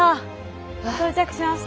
到着しました。